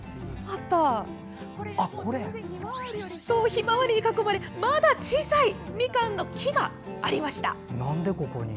ひまわりに囲まれ、まだ小さいみかんの木がありました。